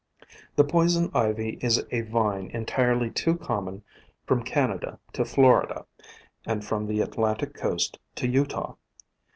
The Poison Ivy is a vine entirely too common from Canada to Florida, and from the Atlantic coast to Utah.